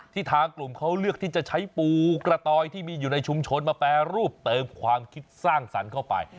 ทางกลุ่มเขาเลือกที่จะใช้ปูกระตอยที่มีอยู่ในชุมชนมาแปรรูปเติมความคิดสร้างสรรค์เข้าไป